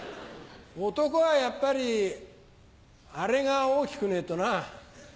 男はやっぱりアレが大きくねえとな。